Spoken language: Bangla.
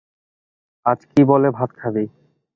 আজ কি বলে ভাত খাবি?